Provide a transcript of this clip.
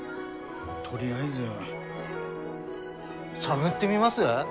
とりあえず探ってみます？